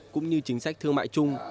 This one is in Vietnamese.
cũng như chính sách thương mại chung